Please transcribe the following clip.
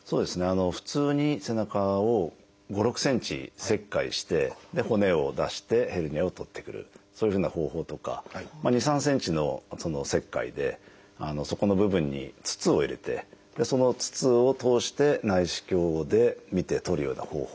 普通に背中を５６ｃｍ切開して骨を出してヘルニアを取ってくるそういうふうな方法とか２３ｃｍの切開でそこの部分に筒を入れてその筒を通して内視鏡で見て取るような方法。